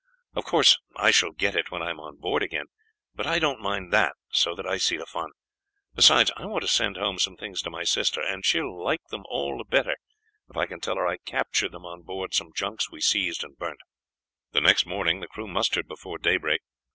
Of course I shall get it when I am on board again, but I don't mind that so that I see the fun. Besides, I want to send home some things to my sister, and she will like them all the better if I can tell her I captured them on board some junks we seized and burnt." The next morning the crews mustered before daybreak.